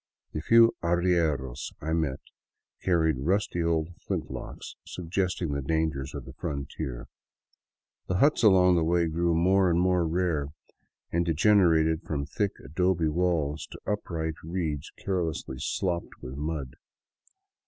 The few arrieros I met carried rusty old flint locks, suggesting the dangers of the frontier; the huts along the way grew more and more rare, and degenerated from thick adobe walls to upright reeds carelessly stopped with mud.